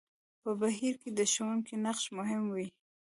په بهير کې د ښوونکي نقش مهم وي.